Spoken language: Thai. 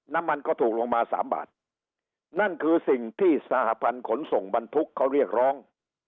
น้ำมันก็ถูกลงมาสามบาทนั่นคือสิ่งที่สหพันธ์ขนส่งบรรทุกเขาเรียกร้อง